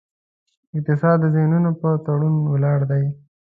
اقتصاد د ذهنونو پر تړون ولاړ دی.